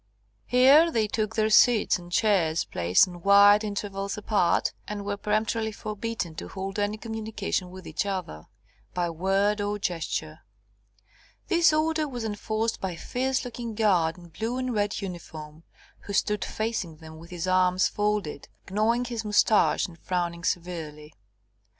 Here they took their seats on chairs placed at wide intervals apart, and were peremptorily forbidden to hold any communication with each other, by word or gesture. This order was enforced by a fierce looking guard in blue and red uniform, who stood facing them with his arms folded, gnawing his moustache and frowning severely.